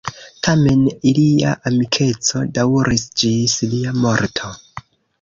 Tamen ilia amikeco daŭris ĝis lia morto.